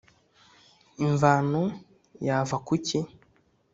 imvano yava ku ki ?